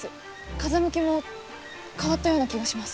風向きも変わったような気がします。